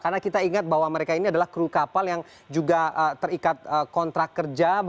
karena kita ingat bahwa mereka ini adalah kru kapal yang juga terikat kontrak kerja